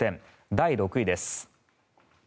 第６位です。